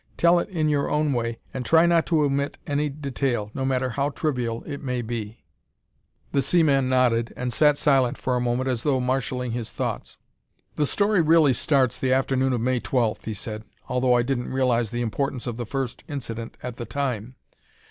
"Tell it in your own way and try not to omit any detail, no matter how trivial it may be." The seaman nodded and sat silent for a moment as though marshaling his thoughts. "The story really starts the afternoon of May 12th," he said, "although I didn't realize the importance of the first incident at the time.